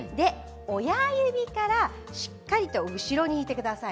親指からしっかりと後ろに引いてください。